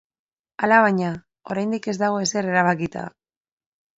Alabaina, oraindik ez dago ezer erabakita!